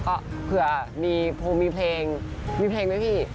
ก็เผื่อมีเพลงมีเพลงด้วยพี่